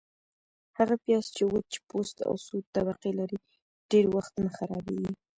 - هغه پیاز چي وچ پوست او څو طبقې لري، ډېر وخت نه خرابیږي.